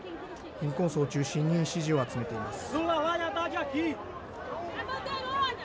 貧困層を中心に支持を集めています。